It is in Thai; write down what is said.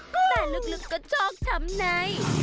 แต่ลึกก็จอกทำไหน